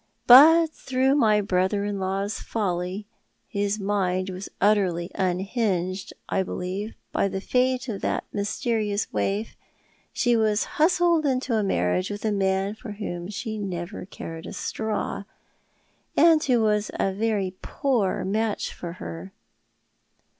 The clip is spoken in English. But through my brother in law's folly — his mind was utterly unhinged, I believe, by the fate of that mysterious waif — she was hustled into a marriage with a man for whom she never cared a straw, and who was a very poor match for her."